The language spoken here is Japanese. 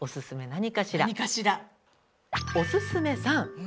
何かしら？